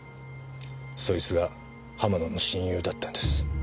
そいつが浜野の親友だったんです。